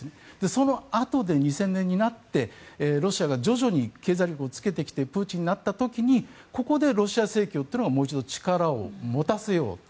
そのあとで２０００年になってロシアが徐々に経済力をつけてきてプーチンになった時にここでロシア正教会というのがもう一度力を持たせようと。